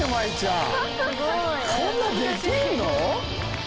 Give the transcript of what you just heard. こんなできんの！？